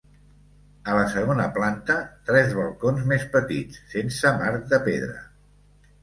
A la segona planta, tres balcons més petits, sense marc de pedra.